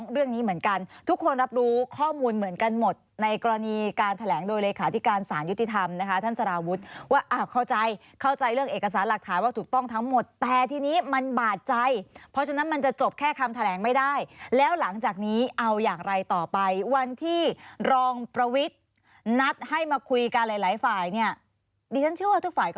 เรื่องนี้เหมือนกันทุกคนรับรู้ข้อมูลเหมือนกันหมดในกรณีการแถลงโดยเลขาธิการสารยุติธรรมนะคะท่านสารวุฒิว่าอ้าวเข้าใจเข้าใจเรื่องเอกสารหลักฐานว่าถูกต้องทั้งหมดแต่ทีนี้มันบาดใจเพราะฉะนั้นมันจะจบแค่คำแถลงไม่ได้แล้วหลังจากนี้เอาอย่างไรต่อไปวันที่รองประวิทย์นัดให้มาคุยกันหลายฝ่ายเนี่ยดิฉันเชื่อว่าทุกฝ่ายก็